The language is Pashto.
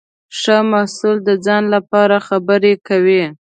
ښه محصول د ځان لپاره خبرې کوي.